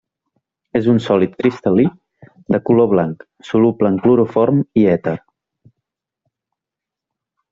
És un sòlid cristal·lí de color blanc, soluble en cloroform i èter.